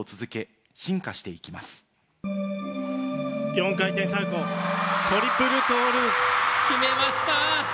４回転サルコー、トリプルトーループ、決めました！